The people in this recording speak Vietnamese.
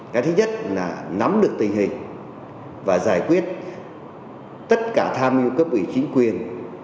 cái thứ nhất là nắm được tình hình và giải quyết tất cả tham mưu cấp ủy chính quyền